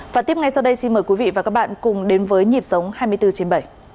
và tiếp ngay sau đây xin mời quý vị và các bạn cùng đến với nhịp sống hai mươi bốn trên bảy